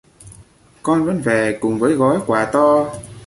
Con vẫn về cùng với gói quà to